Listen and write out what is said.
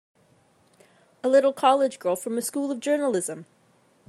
A little college girl from a School of Journalism!